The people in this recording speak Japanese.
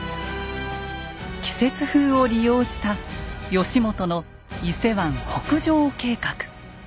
季節風を利用した義元の伊勢湾北上計画。